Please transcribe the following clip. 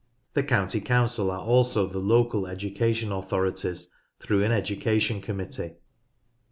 The County Council are also the local education authorities through an Education Committee.